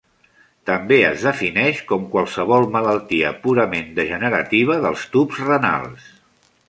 També es defineix com qualsevol malaltia purament degenerativa dels tubs renals.